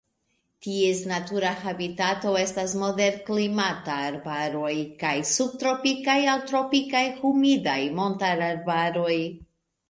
Ties natura habitato estas moderklimataj arbaroj kaj subtropikaj aŭ tropikaj humidaj montararbaroj.